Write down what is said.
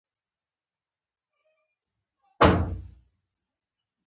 • د اوبو رسولو سیستم پراخ شو.